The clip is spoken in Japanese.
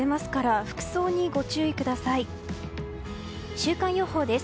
週間予報です。